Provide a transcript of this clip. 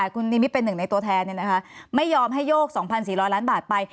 คุณนิมิตเป็นหนึ่งในตัวแทนไม่ยอมให้โยก๒๔๐๐ล้านบาทไป